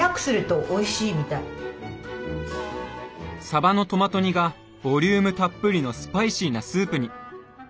さばのトマト煮がボリュームたっぷりのスパイシーなスープに。